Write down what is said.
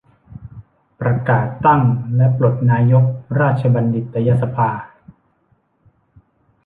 ประกาศตั้งและปลดนายกราชบัณฑิตยสภา